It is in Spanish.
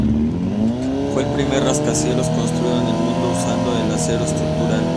Fue el primer rascacielos construido en el mundo usando el acero estructural.